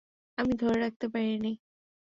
আমি ধরে রাখতে পারিনি।